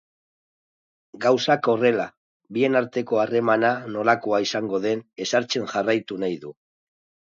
Gauzak horrela, bien arteko harremana nolakoa izango den ezartzen jarraitu nahi du.